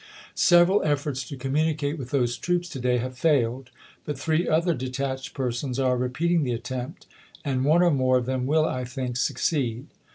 Several efforts to communicate with those troops to day have failed ; but three other detached persons are repeat ing the attempt, and one or more of them will, I think, suc ceed.